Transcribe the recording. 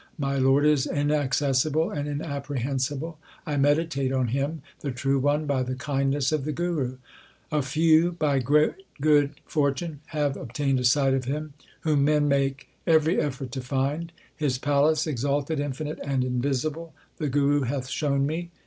My Lord is inaccessible, and inapprehensible ; I meditate on Him, the True One, by the kindness of the Guru. A few by great good fortune have obtained a sight of Him, Whom men make every effort to find. His palace, exalted, infinite, and invisible, the Guru hath shown me.